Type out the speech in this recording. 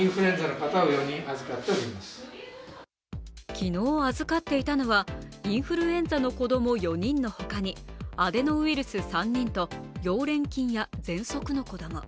昨日預かっていたのは、インフルエンザの子供４人のほかにアデノウイルス３人と溶連菌やぜんそくの子供。